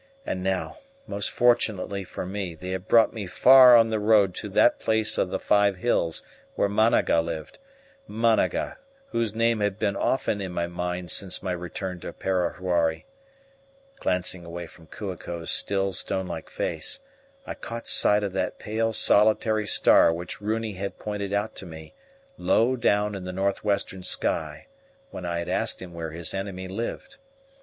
And now, most fortunately for me, they had brought me far on the road to that place of the five hills where Managa lived Managa, whose name had been often in my mind since my return to Parahuari. Glancing away from Kua ko's still stone like face. I caught sight of that pale solitary star which Runi had pointed out to me low down in the north western sky when I had asked him where his enemy lived.